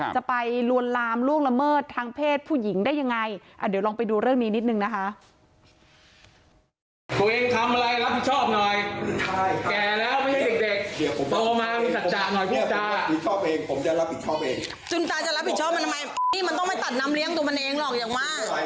จะไปลวนลามล่วงละเมิดทางเพศผู้หญิงได้ยังไงเดี๋ยวลองไปดูเรื่องนี้นิดนึงนะคะ